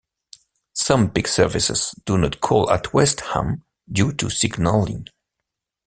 Some peak services do not call at West Ham due to signalling.